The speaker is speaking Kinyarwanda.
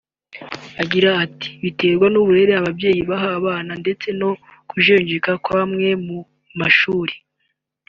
agira ati “ Biterwa n’uburere ababyeyi baha abana ndetse no kujenjeka kw’amwe mu mashuri